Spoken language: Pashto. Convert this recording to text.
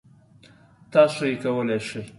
تاسو یې کولی شئ!